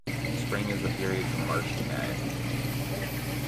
Spring is the period from March to May.